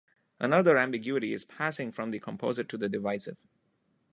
Another ambiguity is passing from the composite to the divisive